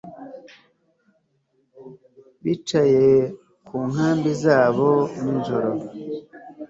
Bicaye ku nkambi zabo nijoro